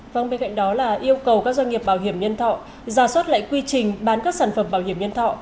vâng bên cạnh đó là yêu cầu các doanh nghiệp bảo hiểm nhân thọ giả soát lại quy trình bán các sản phẩm bảo hiểm nhân thọ